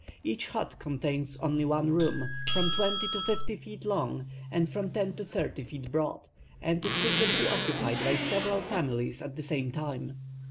Each hut contains only one room, from twenty to fifty feet long, and from ten to thirty feet broad, and is frequently occupied by several families at the same time.